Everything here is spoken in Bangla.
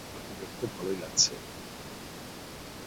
দেখতে ভালোই লাগছে।